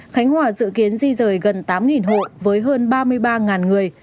khánh hòa dự kiến di rời gần tám hộ với hơn ba mươi ba người